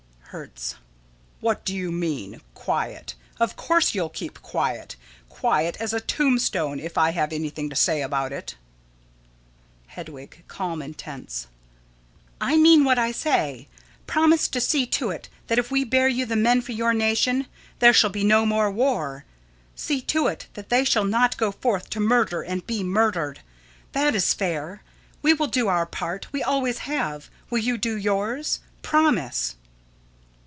Hertz: What do you mean? Quiet? Of course you'll keep quiet. Quiet as a tombstone, if I have anything to say about it. Hedwig: [Calm and tense.] I mean what I say. Promise to see to it that if we bear you the men for your nation, there shall be no more war. See to it that they shall not go forth to murder and be murdered. That is fair. We will do our part, we always have, will you do yours? Promise.